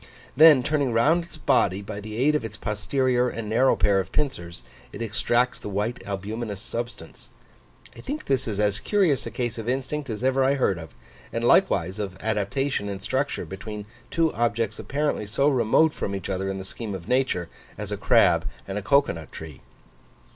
Then turning round its body, by the aid of its posterior and narrow pair of pincers, it extracts the white albuminous substance. I think this is as curious a case of instinct as ever I heard of, and likewise of adaptation in structure between two objects apparently so remote from each other in the scheme of nature, as a crab and a cocoa nut tree.